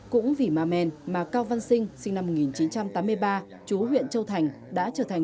cũng vì ma men mà cao văn sinh sinh năm một nghìn chín trăm tám mươi ba chú huyện châu thành đã trở thành